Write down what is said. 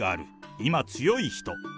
今、強い人。